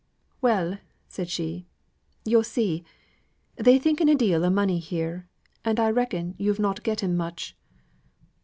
"Well," said she, "yo' see, they thinken a deal o' money here; and I reckon yo've not getten much."